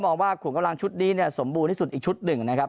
มองว่าขุมกำลังชุดนี้เนี่ยสมบูรณ์ที่สุดอีกชุดหนึ่งนะครับ